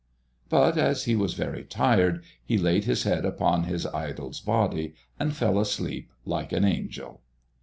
But as he was very tired, he laid his head upon his idol's body and fell asleep like an angel.